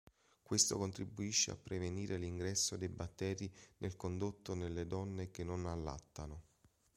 Questo contribuisce a prevenire l'ingresso dei batteri nel condotto nelle donne che non allattano.